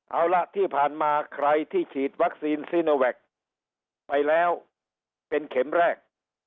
เอาล่ะที่ผ่านมาใครที่ฉีดวัคซีนซีโนแวคไปแล้วเป็นเข็มแรก